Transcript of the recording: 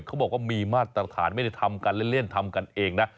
เขาบอกว่ามีมาตรฐานไม่ได้ทำกันเล่นทำกันเองนะ